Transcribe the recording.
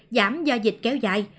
giảm do dịch kéo dài